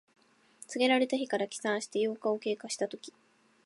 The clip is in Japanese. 告げられた日から起算して八日を経過したとき。